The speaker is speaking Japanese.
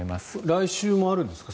来週もあるんですか？